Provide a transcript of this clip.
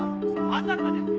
まさかですよ。